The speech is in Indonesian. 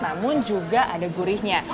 namun juga ada gurihnya